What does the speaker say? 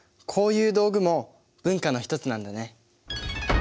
こういう道具も文化の一つなんだね。